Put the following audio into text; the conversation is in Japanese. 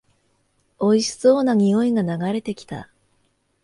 おいしそうな匂いが流れてきた